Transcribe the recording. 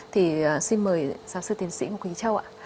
thì xin mời giáo sư tiến sĩ ngọc quỳnh châu ạ